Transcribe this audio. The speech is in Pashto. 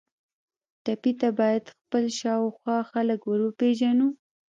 ټپي ته باید خپل شاوخوا خلک وروپیژنو.